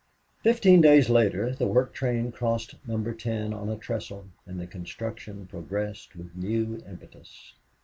Fifteen days later the work train crossed Number Ten on a trestle and the construction progressed with new impetus.